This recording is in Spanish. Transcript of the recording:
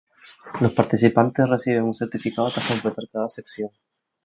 Los participantes reciben un certificado tras completar cada sección.